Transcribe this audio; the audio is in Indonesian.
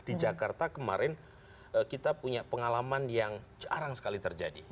di jakarta kemarin kita punya pengalaman yang jarang sekali terjadi